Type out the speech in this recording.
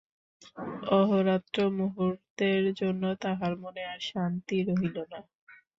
অহোরাত্র মুহূর্তের জন্য তাঁহার মনে আর শান্তি রহিল না।